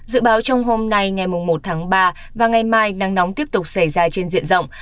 dự báo trong hôm nay ngày một tháng ba và ngày mai nắng nóng tiếp tục xảy ra trên diện rộng